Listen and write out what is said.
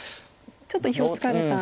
ちょっと意表をつかれた。